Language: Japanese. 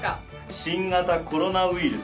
新型コロナウイルス。